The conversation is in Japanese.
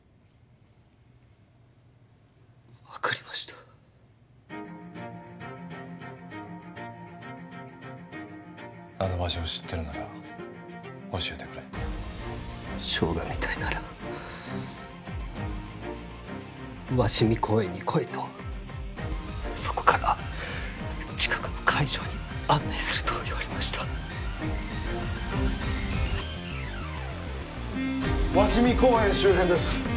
分かりましたあの場所を知ってるなら教えてくれショーが見たいなら鷲見公園に来いとそこから近くの会場に案内すると言われました鷲見公園周辺です